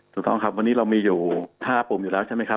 ถูกต้องครับวันนี้เรามีอยู่๕ปุ่มอยู่แล้วใช่ไหมครับ